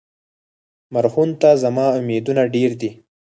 مرهون ته زما امیدونه ډېر دي.